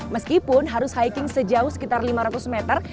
meskipun harus hiking sejauh sekitar lima ratus meter